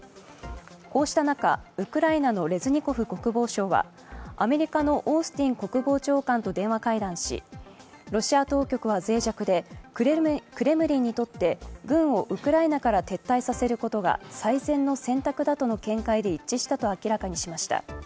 こうした中、ウクライナのレズニコフ国防相はアメリカのオースティン国防長官と電話会談しロシア当局はぜい弱でクレムリンにとって軍をウクライナから撤退させることが最善の選択だとの見解で一致したと明らかにしました。